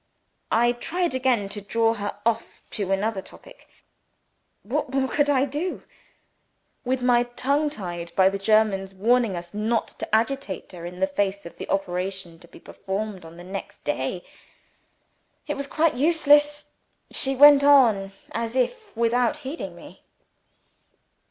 I tried again to draw her off to another topic. What more could I do with my tongue tied by the German's warning to us not to agitate her, in the face of the operation to be performed on the next day? It was quite useless. She went on, as before, without heeding me.